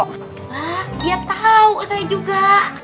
hah dia tahu saya juga